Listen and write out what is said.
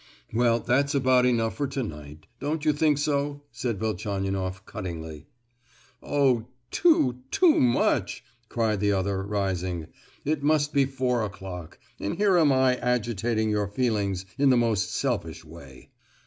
"Well, that's about enough for to night; don't you think so?" said Velchaninoff, cuttingly. "Oh, too—too much!" cried the other, rising. "It must be four o'clock; and here am I agitating your feelings in the most selfish way."